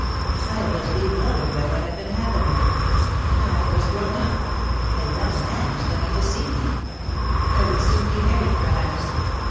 I was bewildered by what had been happening. I was grown up, a young man was coming to see me ! I would soon be married perhaps!